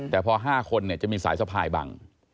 แต่พอห้าคนเนี่ยจะมีสายสะพายบัง